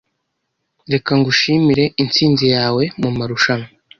Reka ngushimire intsinzi yawe mumarushanwa.